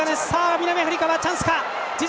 南アフリカはチャンスか。